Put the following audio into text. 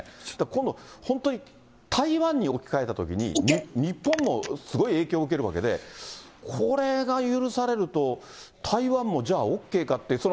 そしたら今度、本当に台湾に置き換えたときに、日本もすごい影響を受けるわけで、これが許されると、台湾も、じゃあＯＫかって。